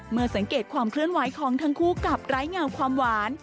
เมื่อสังเกตความเคลื่อนไหวของทั้งคู่กับไร้เงาความหวาน